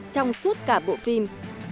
trong suốt cả bộ phim